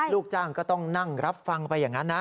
ลูกจ้างก็ต้องนั่งรับฟังไปอย่างนั้นนะ